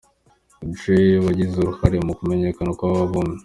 Dre wagize uruhare mu kumenyekana kw’aba bombi.